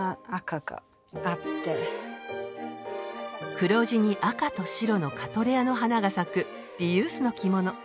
黒地に赤と白のカトレアの花が咲くリユースの着物。